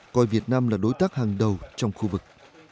coi việt nam là đối tác hàng đầu trong khu vực